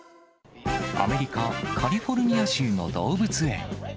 アメリカ・カリフォルニア州の動物園。